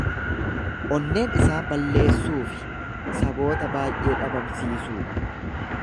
Onneen isaa balleessuu fi saboota baay'ee dhabamsiisuu dha.